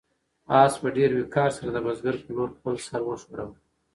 آس په ډېر وقار سره د بزګر په لور خپل سر وښوراوه.